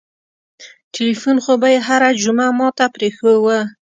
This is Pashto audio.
ټېلفون خو به يې هره جمعه ما ته پرېښووه.